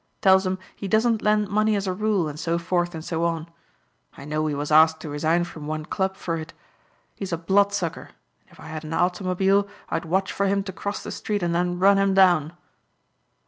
Tells 'em he doesn't lend money as a rule, and so forth and so on. I know he was asked to resign from one club for it. He's a bloodsucker and if I had an automobile I'd watch for him to cross the street and then run him down."